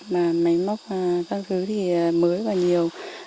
mà máy móc các thứ thì mới và nhiều